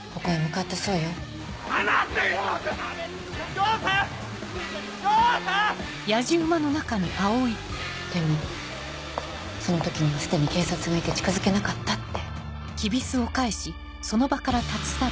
丈さん‼でもその時にはすでに警察がいて近づけなかったって。